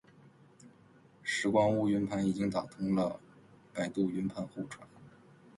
拾光坞云盘已经打通了百度网盘互传